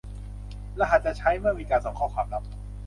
รหัสจะใช้เมื่อมีการส่งความลับ